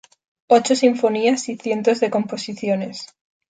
Ocho sinfonías y cientos de composiciones.